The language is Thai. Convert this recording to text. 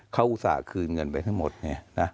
เขาอุตส่าห์คืนเงินไปทั้งหมดไงนะ